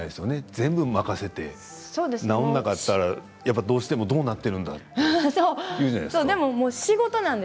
全部、任せて治らなかったらどうなっているんだっていうじゃないですか。